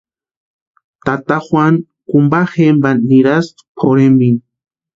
Tata Juanu kumpa jempa nirasïnti pʼorhempini.